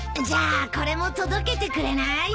じゃあこれも届けてくれない？